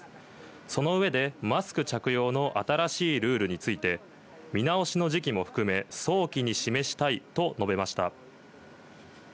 その上で、マスク着用の新しいルールについて、見直しの時期も含め、早期に示したいと述べました。